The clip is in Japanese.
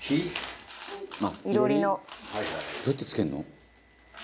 「どうやってつけるの？」